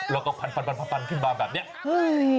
เราก็พันขึ้นบานแบบนี้